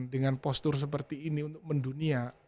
dengan postur seperti ini untuk mendunia